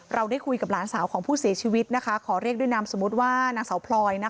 เราได้คุยกับหลานสาวของผู้เสียชีวิตขอเรียกด้วยนามสมมุติว่านางสาวพลอย